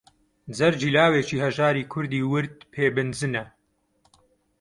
جەرگی لاوێکی هەژاری کوردی ورد پێ بنجنە